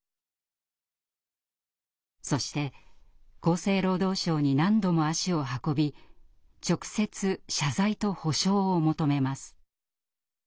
そして厚生労働省に何度も足を運び直接謝罪と補償を求めます。